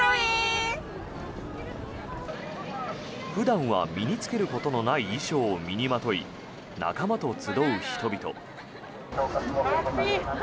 普段は身に着けることのない衣装を身にまとい仲間と集う人々。